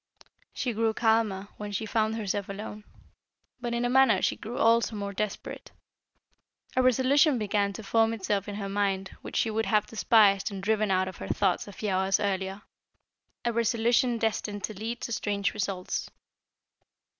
She grew calmer when she found herself alone, but in a manner she grew also more desperate. A resolution began to form itself in her mind which she would have despised and driven out of her thoughts a few hours earlier; a resolution destined to lead to strange results.